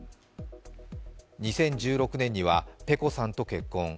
２０１６年にはｐｅｃｏさんと結婚。